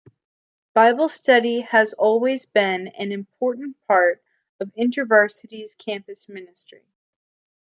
Bible study has always been an important part of InterVarsity's campus ministry.